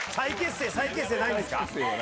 再結成ないんですか？